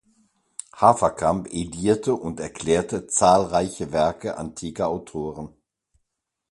Haverkamp edierte und erklärte zahlreiche Werke antiker Autoren.